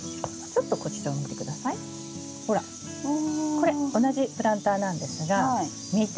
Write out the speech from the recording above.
これ同じプランターなんですが見て。